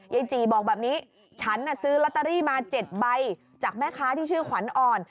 จีบอกแบบนี้ฉันน่ะซื้อลอตเตอรี่มา๗ใบจากแม่ค้าที่ชื่อขวัญอ่อน